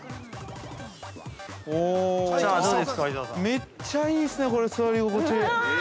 めっちゃいいですね、これ、座り心地。